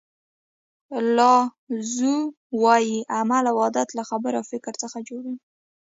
لاو زو وایي عمل او عادت له خبرو او فکر څخه جوړیږي.